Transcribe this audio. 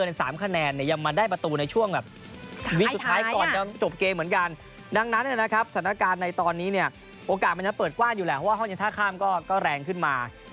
โอกาสมันจะเปิดกว้างอยู่แหละเพราะว่าห้องเย็นท่าข้ามก็แรงขึ้นมา